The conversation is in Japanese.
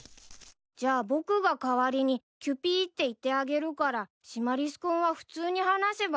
じゃあ僕が代わりに「キュピー」って言ってあげるからシマリス君は普通に話せばいいよ。